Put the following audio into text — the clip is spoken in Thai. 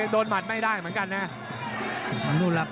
หมัดไม่ได้เหมือนกันนะ